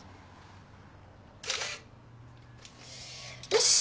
よし。